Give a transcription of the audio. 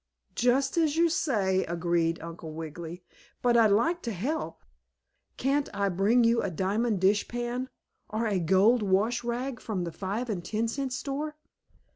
"Just as you say," agreed Uncle Wiggily. "But I'd like to help. Can't I bring you a diamond dishpan or a gold wash rag from the five and ten cent store?"